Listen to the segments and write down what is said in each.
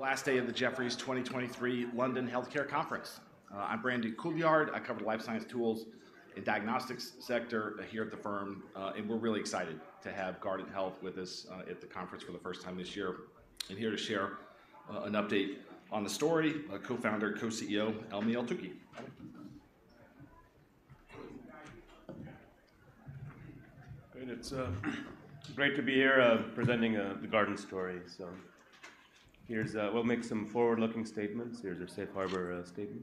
The last day of the Jefferies 2023 London Healthcare Conference. I'm Brandon Couillard. I cover the life science tools and diagnostics sector here at the firm, and we're really excited to have Guardant Health with us at the conference for the first time this year. Here to share an update on the story, our Co-Founder and Co-CEO, Helmy Eltoukhy. Great. It's great to be here presenting the Guardant story. So here's... We'll make some forward-looking statements. Here's our safe harbor statement.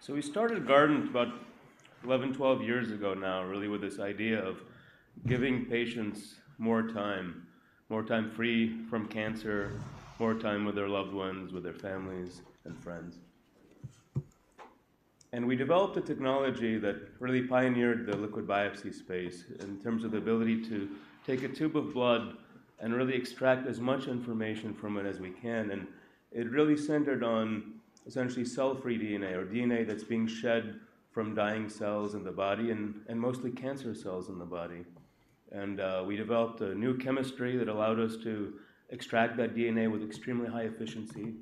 So we started Guardant about 11, 12 years ago now, really with this idea of giving patients more time, more time free from cancer, more time with their loved ones, with their families and friends. And we developed a technology that really pioneered the liquid biopsy space in terms of the ability to take a tube of blood and really extract as much information from it as we can, and it really centered on essentially cell-free DNA or DNA that's being shed from dying cells in the body and mostly cancer cells in the body. We developed a new chemistry that allowed us to extract that DNA with extremely high efficiency,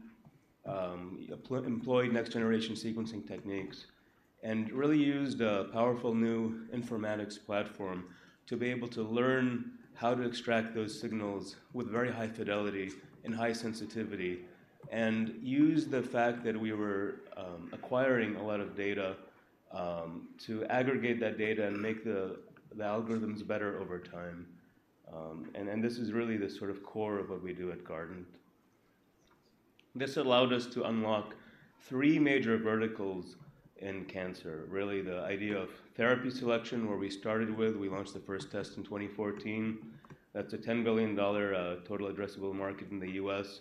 employed next-generation sequencing techniques, and really used a powerful new informatics platform to be able to learn how to extract those signals with very high fidelity and high sensitivity, and use the fact that we were acquiring a lot of data to aggregate that data and make the algorithms better over time. And then this is really the sort of core of what we do at Guardant. This allowed us to unlock three major verticals in cancer. Really, the idea of therapy selection, where we started with, we launched the first test in 2014. That's a $10 billion total addressable market in the U.S.,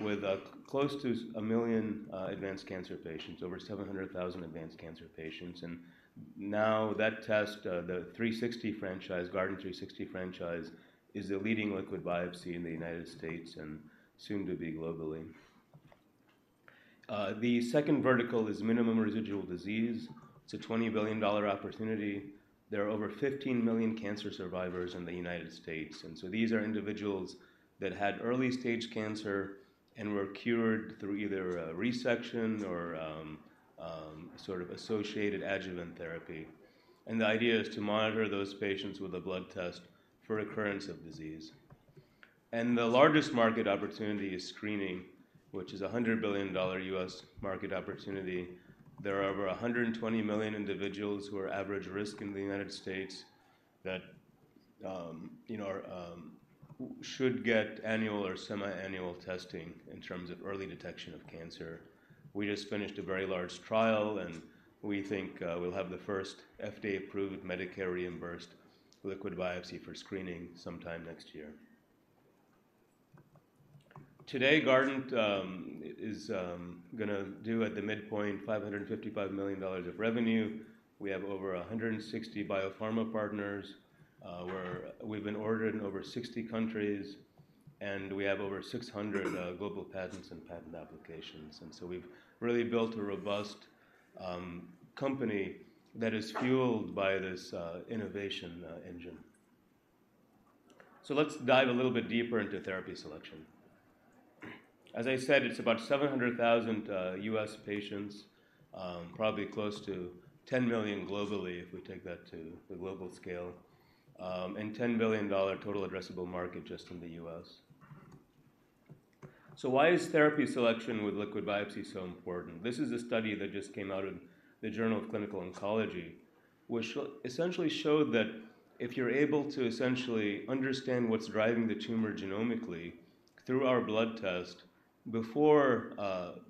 with close to 1 million advanced cancer patients, over 700,000 advanced cancer patients. Now, that test, the Guardant360 franchise, is the leading liquid biopsy in the United States and soon to be globally. The second vertical is minimum residual disease. It's a $20 billion opportunity. There are over 15 million cancer survivors in the United States, and so these are individuals that had early-stage cancer and were cured through either a resection or sort of associated adjuvant therapy. The idea is to monitor those patients with a blood test for recurrence of disease. The largest market opportunity is screening, which is a $100 billion U.S. market opportunity. There are over 120 million individuals who are average risk in the United States that, you know, are should get annual or semi-annual testing in terms of early detection of cancer. We just finished a very large trial, and we think we'll have the first FDA-approved, Medicare-reimbursed liquid biopsy for screening sometime next year. Today, Guardant is gonna do at the midpoint $555 million of revenue. We have over 160 biopharma partners. We've been ordered in over 60 countries, and we have over 600 global patents and patent applications. And so we've really built a robust company that is fueled by this innovation engine. So let's dive a little bit deeper into therapy selection. As I said, it's about 700,000 U.S. patients, probably close to 10 million globally, if we take that to the global scale, and $10 billion total addressable market just in the U.S. So why is therapy selection with liquid biopsy so important? This is a study that just came out in the Journal of Clinical Oncology, which essentially showed that if you're able to essentially understand what's driving the tumor genomically through our blood test before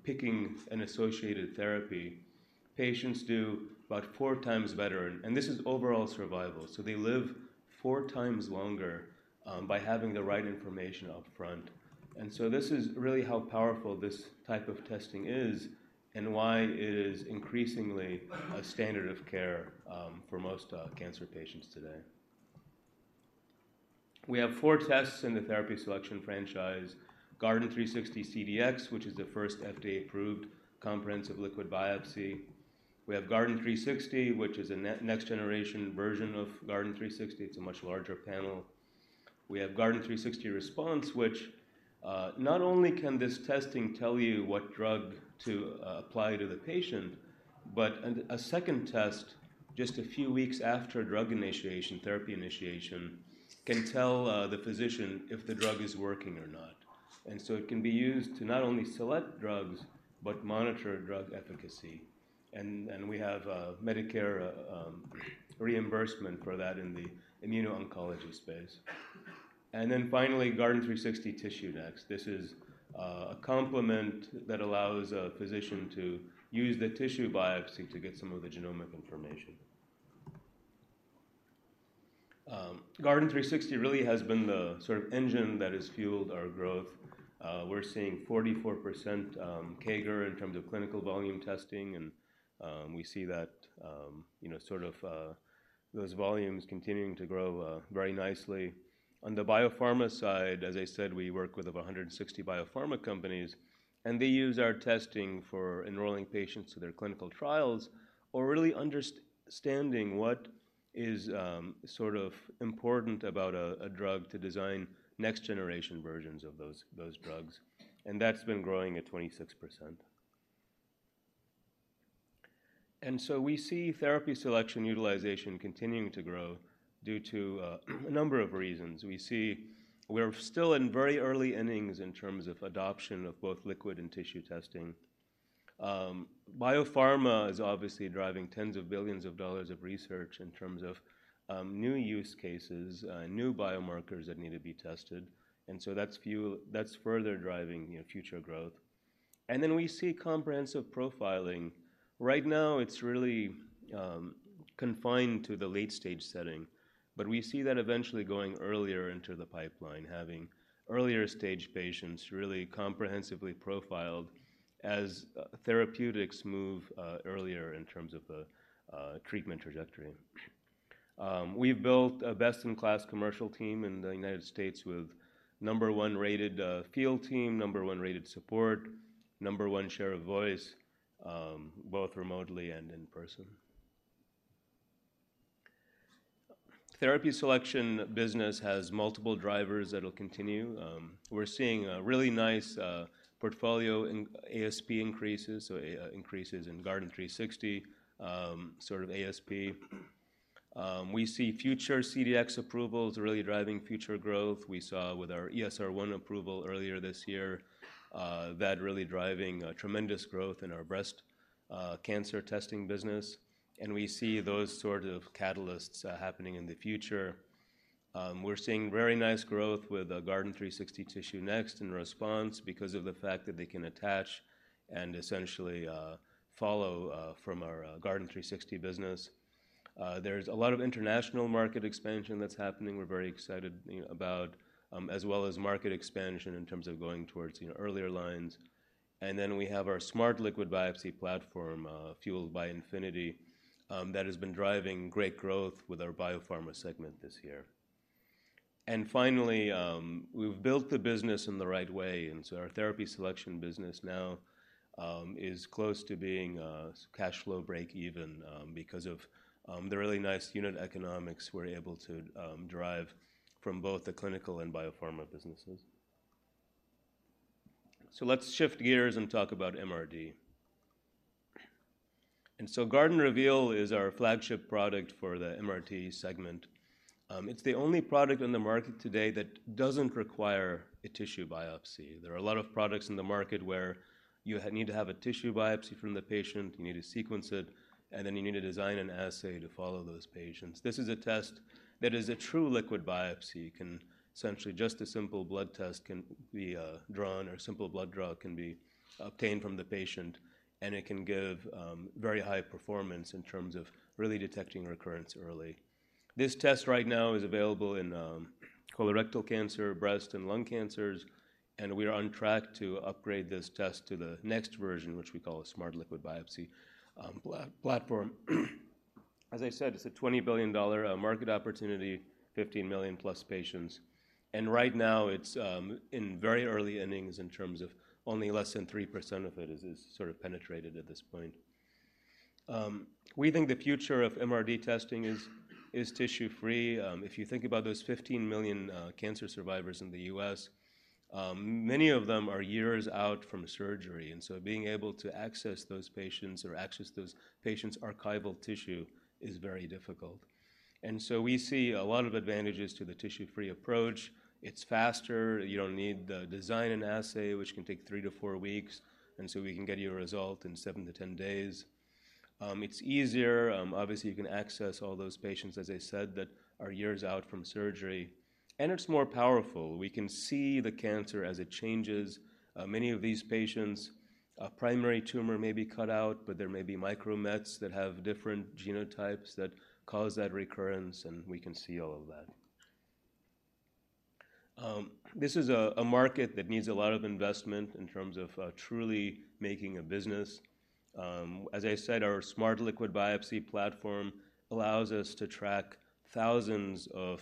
picking an associated therapy, patients do about four times better, and this is overall survival. So they live four times longer by having the right information up front. And so this is really how powerful this type of testing is, and why it is increasingly a standard of care for most cancer patients today. We have four tests in the therapy selection franchise: Guardant360 CDx, which is the first FDA-approved comprehensive liquid biopsy. We have Guardant360 which is a next-generation version of Guardant360. It's a much larger panel. We have Guardant360 Response, which, not only can this testing tell you what drug to, apply to the patient, but a second test just a few weeks after drug initiation, therapy initiation, can tell, the physician if the drug is working or not. And so it can be used to not only select drugs but monitor drug efficacy and we have a Medicare reimbursement for that in the immuno-oncology space. And then finally, Guardant360 Tissue. This is a complement that allows a physician to use the tissue biopsy to get some of the genomic information. Guardant360 really has been the sort of engine that has fueled our growth. We're seeing 44% CAGR in terms of clinical volume testing, and we see that, you know, sort of, those volumes continuing to grow very nicely. On the biopharma side, as I said, we work with over 160 biopharma companies, and they use our testing for enrolling patients to their clinical trials or really understanding what is sort of important about a drug to design next generation versions of those drugs, and that's been growing at 26%. And so we see therapy selection utilization continuing to grow due to a number of reasons. We see, we're still in very early innings in terms of adoption of both liquid and tissue testing. Biopharma is obviously driving $10s of billions of research in terms of new use cases, new biomarkers that need to be tested, and so that's fuel that's further driving, you know, future growth. And then we see comprehensive profiling. Right now, it's really confined to the late-stage setting, but we see that eventually going earlier into the pipeline, having earlier-stage patients really comprehensively profiled as therapeutics move earlier in terms of the treatment trajectory. We've built a best-in-class commercial team in the United States with number one-rated field team, number one-rated support, number one share of voice, both remotely and in person. Therapy selection business has multiple drivers that'll continue. We're seeing a really nice portfolio in ASP increases, so increases in Guardant360, sort of ASP. We see future CDx approvals really driving future growth. We saw with our ESR1 approval earlier this year, that really driving a tremendous growth in our breast cancer testing business, and we see those sort of catalysts happening in the future. We're seeing very nice growth with the Guardant360 TissueNext and Response because of the fact that they can attach and essentially follow from our Guardant360 business. There's a lot of international market expansion that's happening, we're very excited, you know, about, as well as market expansion in terms of going towards, you know, earlier lines. And then we have our Smart Liquid Biopsy platform fueled by Infinity that has been driving great growth with our biopharma segment this year. Finally, we've built the business in the right way, and so our therapy selection business now is close to being a cash flow break even, because of the really nice unit economics we're able to derive from both the clinical and biopharma businesses. Let's shift gears and talk about MRD. Guardant Reveal is our flagship product for the MRD segment. It's the only product on the market today that doesn't require a tissue biopsy. There are a lot of products in the market where you need to have a tissue biopsy from the patient, you need to sequence it, and then you need to design an assay to follow those patients. This is a test that is a true liquid biopsy. You can essentially just a simple blood test can be drawn, or a simple blood draw can be obtained from the patient, and it can give very high performance in terms of really detecting recurrence early. This test right now is available in colorectal cancer, breast and lung cancers, and we are on track to upgrade this test to the next version, which we call a Smart Liquid Biopsy platform. As I said, it's a $20 billion market opportunity, 15 million+ patients, and right now it's in very early innings in terms of only less than 3% of it is sort of penetrated at this point. We think the future of MRD testing is tissue-free. If you think about those 15 million cancer survivors in the U.S., many of them are years out from surgery, and so being able to access those patients or access those patients' archival tissue is very difficult. And so we see a lot of advantages to the tissue-free approach. It's faster, you don't need to design an assay, which can take three to four weeks, and so we can get you a result in seven to 10 days. It's easier. Obviously, you can access all those patients, as I said, that are years out from surgery, and it's more powerful. We can see the cancer as it changes. Many of these patients, a primary tumor may be cut out, but there may be micromets that have different genotypes that cause that recurrence, and we can see all of that. This is a market that needs a lot of investment in terms of truly making a business. As I said, our Smart Liquid Biopsy platform allows us to track thousands of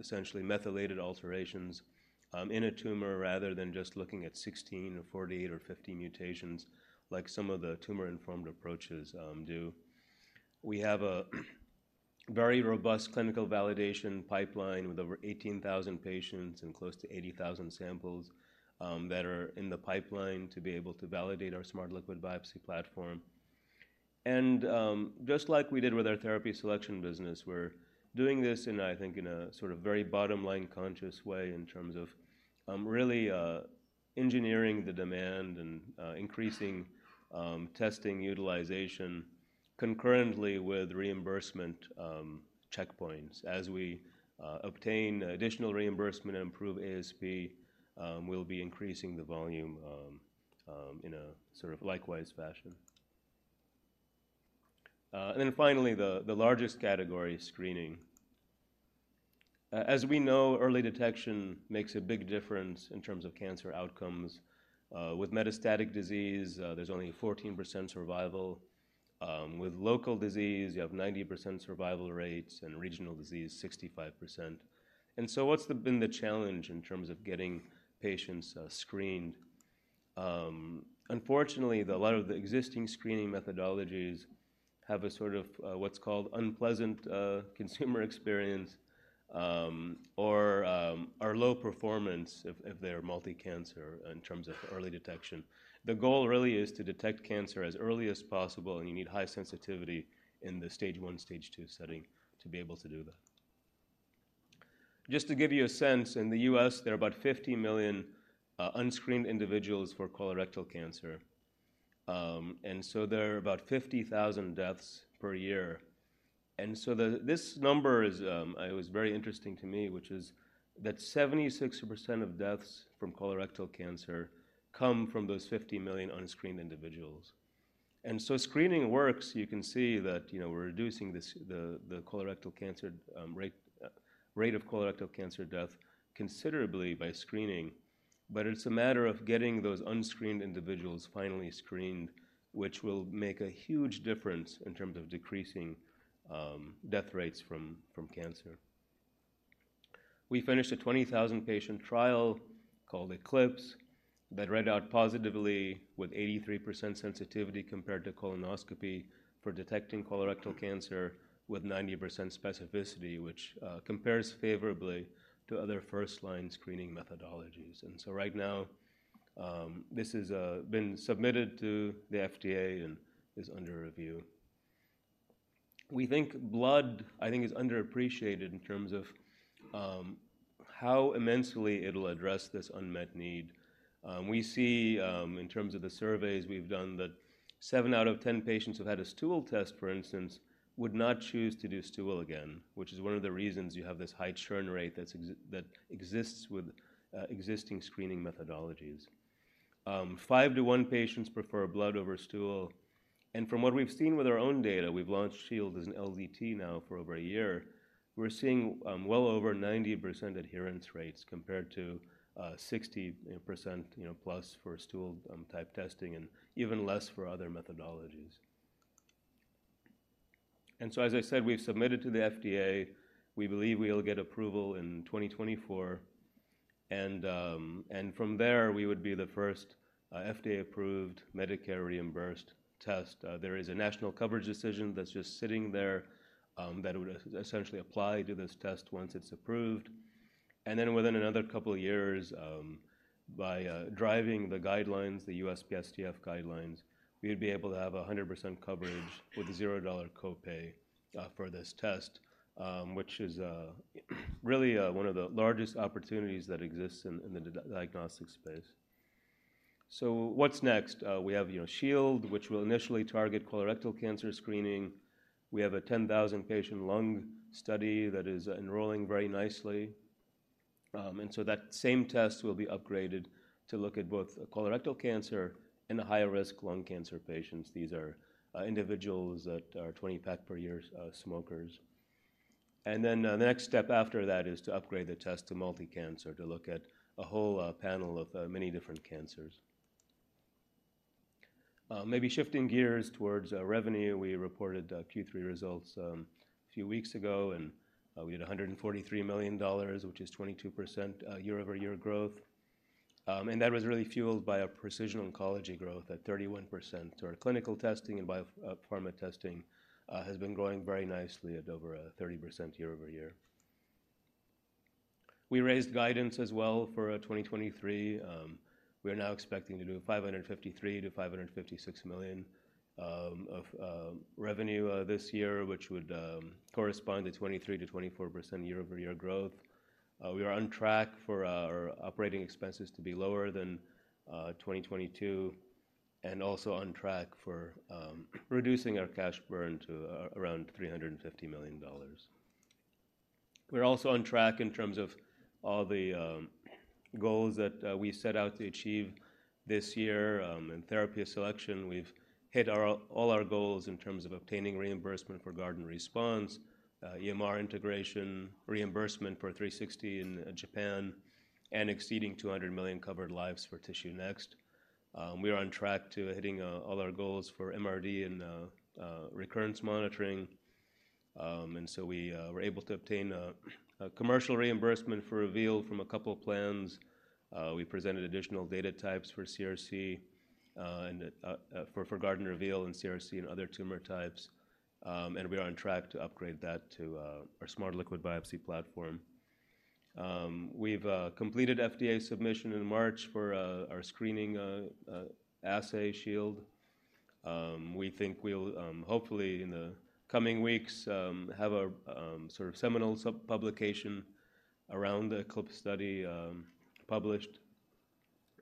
essentially methylated alterations in a tumor, rather than just looking at 16 or 48 or 50 mutations, like some of the tumor-informed approaches do. We have a very robust clinical validation pipeline with over 18,000 patients and close to 80,000 samples that are in the pipeline to be able to validate our Smart Liquid Biopsy platform. Just like we did with our therapy selection business, we're doing this in, I think, a sort of very bottom-line conscious way in terms of really engineering the demand and increasing testing utilization concurrently with reimbursement checkpoints. As we obtain additional reimbursement and improve ASP, we'll be increasing the volume in a sort of likewise fashion. And then finally, the largest category, screening. As we know, early detection makes a big difference in terms of cancer outcomes. With metastatic disease, there's only 14% survival. With local disease, you have 90% survival rates, and regional disease, 65%. And so what's been the challenge in terms of getting patients screened? Unfortunately, a lot of the existing screening methodologies have a sort of what's called unpleasant consumer experience, or are low performance if they're multi-cancer in terms of early detection. The goal really is to detect cancer as early as possible, and you need high sensitivity in the stage 1, stage 2 setting to be able to do that. Just to give you a sense, in the U.S., there are about 50 million unscreened individuals for colorectal cancer. And so there are about 50,000 deaths per year. And so this number is, it was very interesting to me, which is that 76% of deaths from colorectal cancer come from those 50 million unscreened individuals. And so screening works. You can see that, you know, we're reducing the colorectal cancer rate of colorectal cancer death considerably by screening. But it's a matter of getting those unscreened individuals finally screened, which will make a huge difference in terms of decreasing death rates from cancer. We finished a 20,000-patient trial called ECLIPSE, that read out positively with 83% sensitivity compared to colonoscopy for detecting colorectal cancer with 90% specificity, which compares favorably to other first-line screening methodologies. And so right now, this is been submitted to the FDA and is under review. We think blood, I think, is underappreciated in terms of how immensely it'll address this unmet need. We see, in terms of the surveys we've done, that seven out of 10 patients who've had a stool test, for instance, would not choose to do stool again, which is one of the reasons you have this high churn rate that exists with existing screening methodologies. Five-to-one patients prefer blood over stool, and from what we've seen with our own data, we've launched Shield as an LDT now for over a year. We're seeing well over 90% adherence rates compared to 60%, you know, plus for stool type testing and even less for other methodologies. And so, as I said, we've submitted to the FDA. We believe we'll get approval in 2024, and from there, we would be the first FDA-approved, Medicare-reimbursed test. There is a national coverage decision that's just sitting there that would essentially apply to this test once it's approved. And then within another couple of years, by driving the guidelines, the USPSTF guidelines, we'd be able to have 100% coverage with $0 copay, for this test, which is, really, one of the largest opportunities that exists in, in the diagnostic space. So what's next? We have, you know, Shield, which will initially target colorectal cancer screening. We have a 10,000-patient lung study that is enrolling very nicely. And so that same test will be upgraded to look at both colorectal cancer in the high-risk lung cancer patients. These are, individuals that are 20-pack per year, smokers. And then, the next step after that is to upgrade the test to multi-cancer to look at a whole, panel of, many different cancers. Maybe shifting gears towards, revenue. We reported Q3 results a few weeks ago, and we had $143 million, which is 22% year-over-year growth. That was really fueled by a precision oncology growth at 31%. Our clinical testing and biopharma testing has been growing very nicely at over 30% year-over-year. We raised guidance as well for 2023. We are now expecting to do $553 million to $556 million of revenue this year, which would correspond to 23%-24% year-over-year growth. We are on track for our operating expenses to be lower than 2022, and also on track for reducing our cash burn to around $350 million. We're also on track in terms of all the goals that we set out to achieve this year. In therapy selection, we've hit all our goals in terms of obtaining reimbursement for Guardant Response, EMR integration, reimbursement for 360 in Japan, and exceeding 200 million covered lives for TissueNext. We are on track to hitting all our goals for MRD and recurrence monitoring. We were able to obtain a commercial reimbursement for Reveal from a couple plans. We presented additional data types for CRC and for Guardant Reveal and CRC and other tumor types. We are on track to upgrade that to our Smart Liquid Biopsy platform. We've completed FDA submission in March for our screening assay Shield. We think we'll hopefully, in the coming weeks, have a sort of seminal sub-publication around the ECLIPSE study published.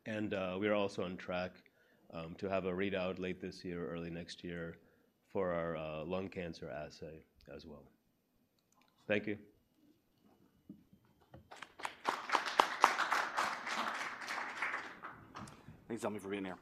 And we are also on track to have a readout late this year, early next year for our lung cancer assay as well. Thank you. Thanks Helmy for being here.